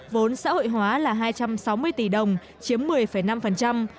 vốn xã hội hóa là hai trăm sáu mươi tỷ đồng chiếm một mươi năm